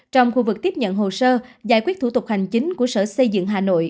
trong khu vực tiếp nhận hồ sơ giải quyết thủ tục hành chính của sở xây dựng hà nội